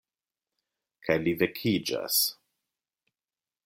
Kaj li vekiĝas.